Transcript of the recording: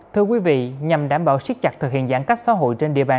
thưa quý vị nhằm đảm bảo siết chặt thực hiện giãn cách xã hội trên địa bàn